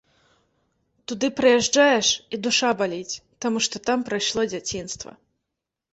Туды прыязджаеш, і душа баліць, таму што там прайшло дзяцінства.